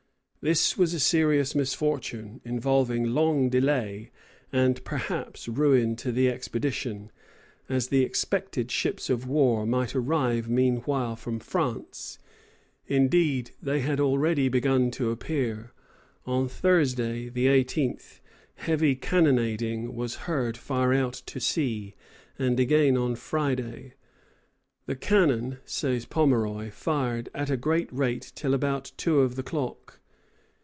This was a serious misfortune, involving long delay, and perhaps ruin to the expedition, as the expected ships of war might arrive meanwhile from France. Indeed, they had already begun to appear. On Thursday, the 18th, heavy cannonading was heard far out at sea, and again on Friday "the cannon," says Pomeroy, "fired at a great rate till about 2 of the clock."